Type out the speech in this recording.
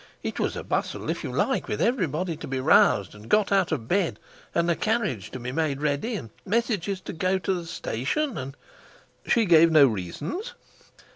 It was a bustle, if you like, with everybody to be roused and got out of bed, and a carriage to be made ready, and messages to go to the station, and " "She gave no reasons?"